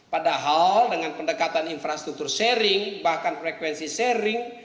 padahal dengan pendekatan infrastruktur sharing bahkan frekuensi sharing